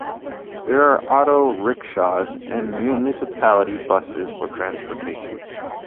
There are auto rickshaws and municipality buses for transportation.